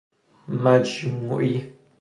مجموعی